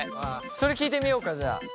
それ聞いてみようかじゃあ。